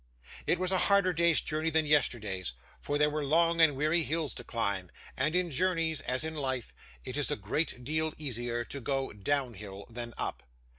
It was a harder day's journey than yesterday's, for there were long and weary hills to climb; and in journeys, as in life, it is a great deal easier to go down hill than up.